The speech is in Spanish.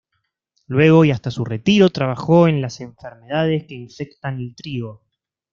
Luego, y hasta su retiro, trabajó en las enfermedades que infectan el trigo.